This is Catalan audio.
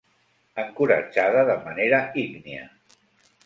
Encoratjada de manera ígnia.